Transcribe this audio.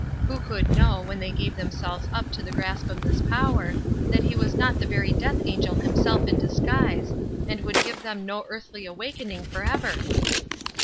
Who could know, when they gave themselves up to the grasp of this power, that he was not the very death angel himself in disguise, and would give them no earthly awakening forever?